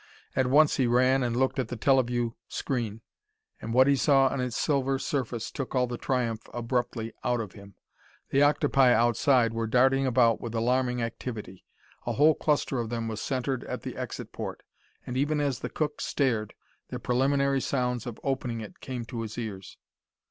At once he ran and looked at the teleview view screen, and what he saw on its silver surface took all the triumph abruptly out of him. The octopi outside were darting about with alarming activity; a whole cluster of them was centered at the exit port, and, even as the cook stared, the preliminary sounds of opening it came to his ears.